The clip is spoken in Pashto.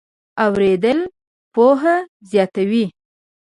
اورېدل پوهه زیاتوي.